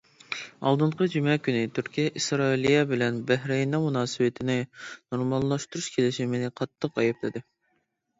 ئالدىنقى جۈمە كۈنى ، تۈركىيە ئىسرائىلىيە بىلەن بەھرەيننىڭ مۇناسىۋىتىنى نورماللاشتۇرۇش كېلىشىمىنى قاتتىق ئەيىبلىدى.